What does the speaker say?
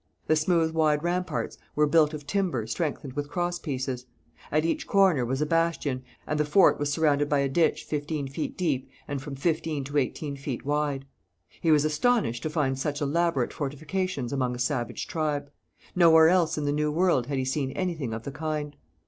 The smooth, wide ramparts were built of timber strengthened with cross pieces. At each corner was a bastion, and the fort was surrounded by a ditch fifteen feet deep and from fifteen to eighteen feet wide. He was astonished to find such elaborate fortifications among a savage tribe. Nowhere else in the New World had he seen anything of the kind.